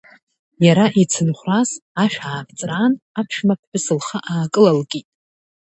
Иара ицынхәрас, ашә аавҵраан, аԥшәма ԥҳәыс лхы аакылалкит.